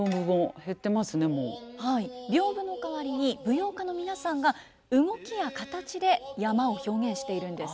はい屏風の代わりに舞踊家の皆さんが動きや形で山を表現しているんです。